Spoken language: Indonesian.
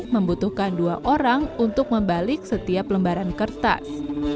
membutuhkan dua orang untuk membalik setiap lembaran kertas